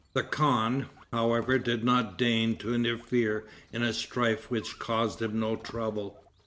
The khan, however, did not deign to interfere in a strife which caused him no trouble.